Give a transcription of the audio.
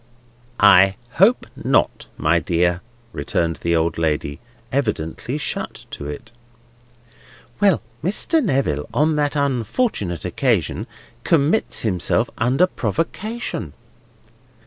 "I hope not, my dear," returned the old lady, evidently shut to it. "Well! Mr. Neville, on that unfortunate occasion, commits himself under provocation."